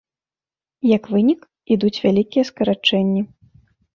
Як вынік, ідуць вялікія скарачэнні.